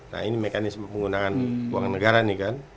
nah ini mekanisme penggunaan uang negara nih kan